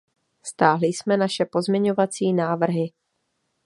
Stáhli jsme naše pozměňovací návrhy.